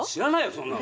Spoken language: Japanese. そんなの。